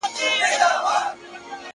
• نوش جان دي سه زما غوښي نوشوه یې ,